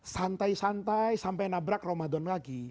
santai santai sampai nabrak ramadan lagi